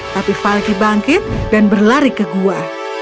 tapi falky bangkit dan berlari ke gua